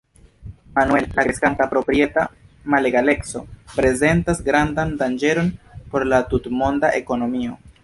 Manuel, la kreskanta proprieta malegaleco prezentas grandan danĝeron por la tutmonda ekonomio.